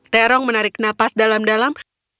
terong menarik nafas dalam dalam